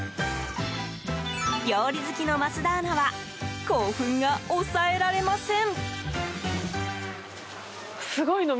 料理好きの桝田アナは興奮が抑えられません。